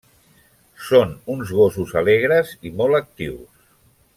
Són uns gossos alegres i molt actius.